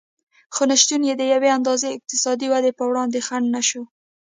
خو نشتون یې د یوې اندازې اقتصادي ودې پر وړاندې خنډ نه شو